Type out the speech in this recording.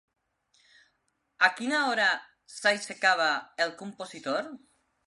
A quina hora s'aixecava el compositor?